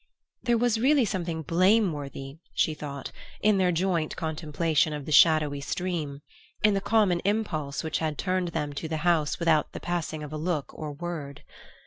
There was really something blameworthy (she thought) in their joint contemplation of the shadowy stream, in the common impulse which had turned them to the house without the passing of a look or word.